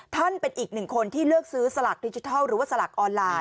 เป็นอีกหนึ่งคนที่เลือกซื้อสลากดิจิทัลหรือว่าสลากออนไลน์